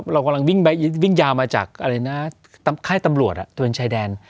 เรากำลังวิ่งยาวมาจากค่ายตำรวจตัวเป็นชายแดน